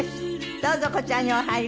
どうぞこちらにお入りください。